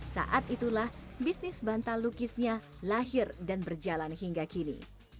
saat itulah bisnis bantal lukisnya lahir dan berjalan hingga kini